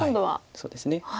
そうですね。